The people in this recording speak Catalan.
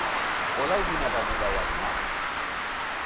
Vol alguna beguda o snack?